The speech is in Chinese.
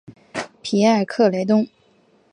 皮埃克雷东。